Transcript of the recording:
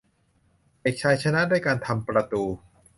เด็กชายชนะด้วยการทำประตู